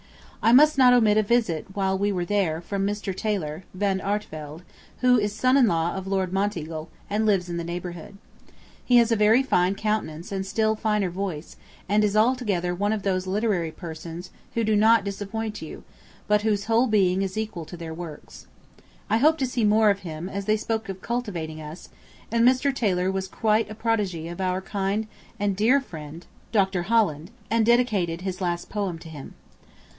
I must not omit a visit while we were there from Mr. Taylor (Van Artevelde), who is son in law of Lord Monteagle, and lives in the neighborhood. He has a fine countenance and still finer voice, and is altogether one of those literary persons who do not disappoint you, but whose whole being is equal to their works. I hope to see more of him, as they spoke of "cultivating" us, and Mr. Taylor was quite a protégé of our kind and dear friend, Dr. Holland, and dedicated his last poem to him.